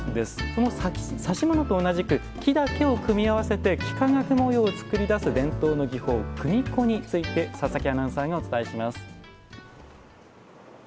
この指物と同じく木だけを組み合わせて幾何学模様を作り出す伝統の技法組子について佐々木アナウンサーがお伝えします。